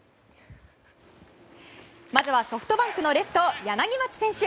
まずはソフトバンクのレフト柳町選手。